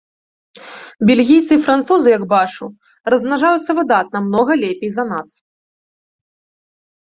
Бельгійцы і французы, як бачу, размнажаюцца выдатна, многа лепей за нас.